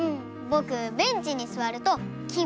ぼくベンチにすわるとき